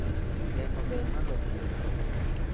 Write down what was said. Geng'o ber maloyo thiedho.